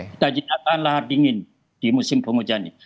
kita jedakan lahar dingin di musim penghujan ini